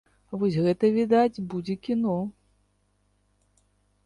Вось гэта, відаць, будзе кіно!